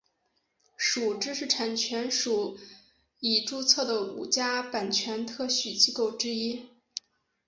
属知识产权署已注册的五家版权特许机构之一。